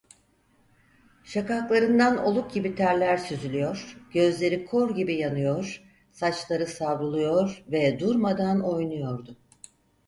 Şakaklarından oluk gibi terler süzülüyor, gözleri kor gibi yanıyor, saçları savruluyor ve durmadan oynuyordu.